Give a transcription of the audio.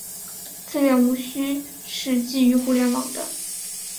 资源无需是基于互联网的。